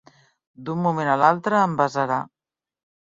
D'un moment a l'altre em besarà.